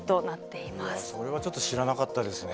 いやそれはちょっと知らなかったですね。